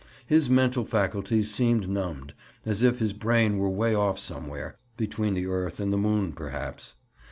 His mental faculties seemed numbed, as if his brain were way off somewhere—between the earth and the moon, perhaps.